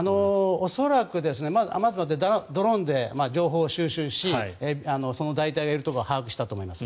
恐らくドローンで情報を収集しその大隊がいるところを把握したと思います。